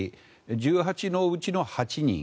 １８のうちの８人。